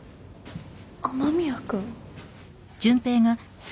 雨宮君？